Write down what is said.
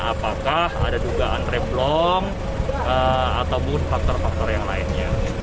apakah ada dugaan reblong ataupun faktor faktor yang lainnya